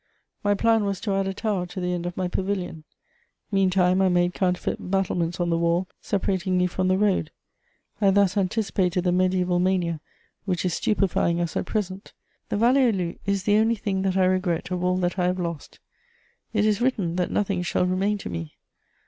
My plan was to add a tower to the end of my pavilion; meantime I made counterfeit battlements on the wall separating me from the road: I thus anticipated the mediæval mania which is stupefying us at present. The Vallée aux Loups is the only thing that I regret of all that I have lost; it is written that nothing shall remain to me.